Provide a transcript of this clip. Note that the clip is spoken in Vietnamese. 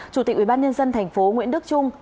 chủ tịch ubnd tp nguyễn đức trung